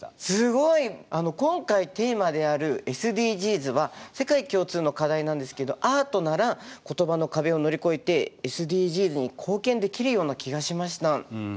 すごい！今回テーマであるＳＤＧｓは世界共通の課題なんですけどアートなら言葉の壁を乗り越えてＳＤＧｓに貢献できるような気がしました。